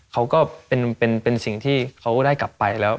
เขาก็เป็นสิ่งที่เขาได้กลับไปแล้ว